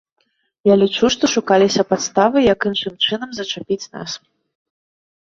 Я лічу, што шукаліся падставы, як іншым чынам зачапіць нас.